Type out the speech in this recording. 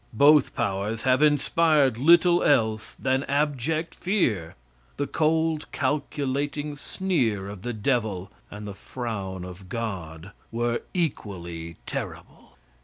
Both powers have inspired little else than abject fear. The cold, calculating sneer of the devil, and the frown of God, were equally terrible.